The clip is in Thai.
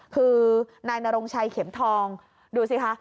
คือนายนรงชัยเข็มทองดูสิคะ